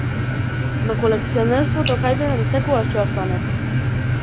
Но колекционерството кај мене засекогаш ќе остане.